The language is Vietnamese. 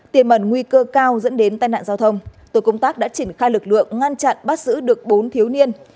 tiềm mẩn nguy cơ cao dẫn đến tai nạn giao thông tổ công tác đã triển khai lực lượng ngăn chặn bắt giữ được bốn thiếu niên